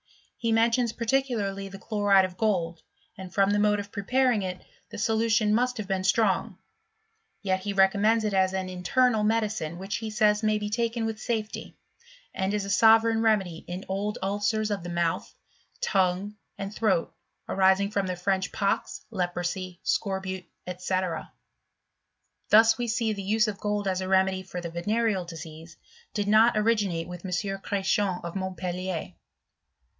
He mentions particularly the chloride of gold, and from the mo4e of preparuig it, the solutioa xau«t. livi^ Xv^^scx Q 2 228 ' HISTO&T OF CHEMISTRY. Strong. Yet he recommends it as an internal medi cine, which he says may be taken with safety, and is a sovereign remedy in old ulcers of the mouth, tongue, and throat, arising from the French pox, leprosy, scorbute, &c. Thus we see the use of gold as a remedy for the venereal disease did not originate with M. Chretiens, of Montpelier.